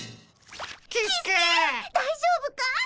大丈夫かい？